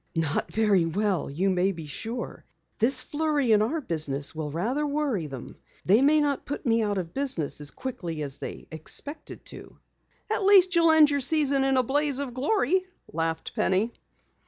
"Not very well, you may be sure. This flurry in our business will rather worry them. They may not put me out of business as quickly as they expected." "At least you'll end your season in a blaze of glory," laughed Penny.